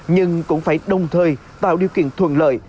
nhưng cũng phải đồng thời tạo điều kiện thuận lợi